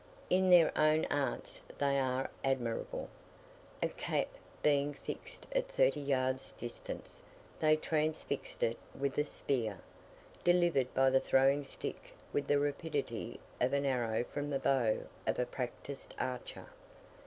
In their own arts they are admirable. A cap being fixed at thirty yards distance, they transfixed it with a spear, delivered by the throwing stick with the rapidity of an arrow from the bow of a practised archer.